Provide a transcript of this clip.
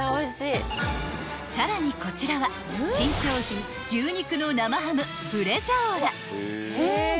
［さらにこちらは新商品牛肉の生ハムブレザオラ］